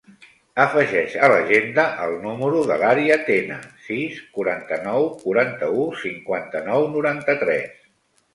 Afegeix a l'agenda el número de l'Arya Tena: sis, quaranta-nou, quaranta-u, cinquanta-nou, noranta-tres.